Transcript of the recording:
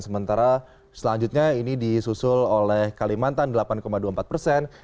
sementara selanjutnya ini disusul oleh kalimantan delapan dua puluh empat persen